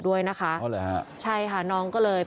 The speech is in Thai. ส่วนของชีวาหาย